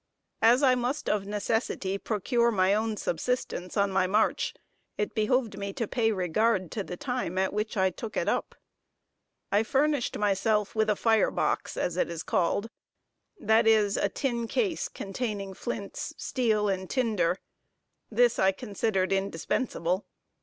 As I must of necessity procure my own subsistence on my march, it behoved me to pay regard to the time at which I took it up. I furnished myself with a fire box, as it is called, that is, a tin case containing flints, steel and tinder this I considered indispensable.